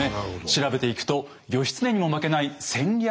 調べていくと義経にも負けない戦略